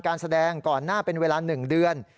การแสดงก่อนหน้าเป็นเวลา๑เดือน